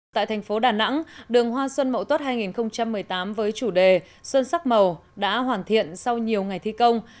tại thành phố đà nẵng đường hoa xuân mậu tuất hai nghìn một mươi tám với chủ đề sơn sắc màu đã hoàn thiện sau nhiều ngày thi công